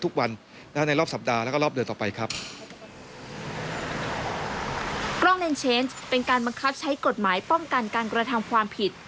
กล้องเลนเชนส์เป็นการบังคับใช้กฎหมายป้องกันการกระทำความผิด